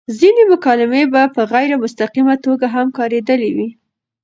ځينې مکالمې په غېر مستقيمه توګه هم کاريدلي وې